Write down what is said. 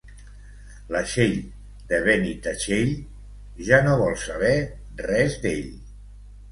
La Txell de Benitatxell ja no vol saber res d'ell.